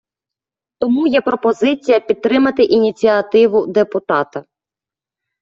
Тому є пропозиція підтримати ініціативу депутата.